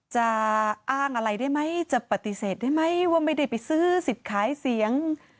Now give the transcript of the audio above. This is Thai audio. จะอ้างอะไรได้ไหมจะปฏิเสธได้ไหมว่าไม่ได้ไปซื้อสิทธิ์ขายเสียง